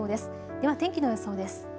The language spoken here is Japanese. では天気の予想です。